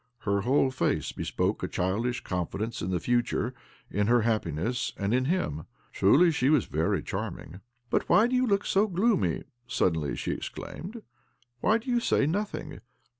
Her whole face bespoke a childish confidence in the future, in her happiness, and in him. Truly she was very charming !" But w'hy do you look so gloomy? " sud denly she exclaimed. ' Why do you say nothing